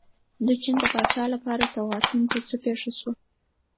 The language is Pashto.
د چین د پاچا لپاره سوغاتونو ته څه پېښه شوه.